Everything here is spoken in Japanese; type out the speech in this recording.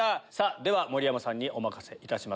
では盛山さんにお任せいたします。